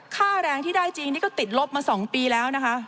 ค่าแรงที่ได้จริงนี่ก็ติดลบมา๒ปีแล้วนะคะ